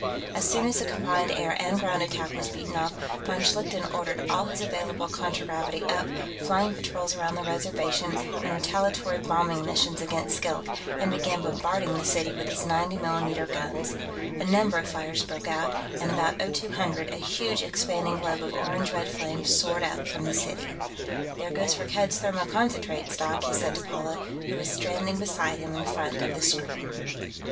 As soon as the combined air and ground attack was beaten off, von Schlichten ordered all his available contragravity up, flying patrols around the Reservation and retaliatory bombing missions against Skilk, and began bombarding the city with his 90 mm guns. A number of fires broke out, and at about 0200 a huge expanding globe of orange red flame soared up from the city. "There goes Firkked's thermoconcentrate stock," he said to Paula, who was standing beside him in front of the screen.